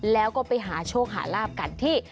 แล้วก็ไปหาโชคหาลาบกันที่